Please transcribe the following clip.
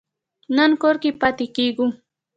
نن کور کې پاتې کیږو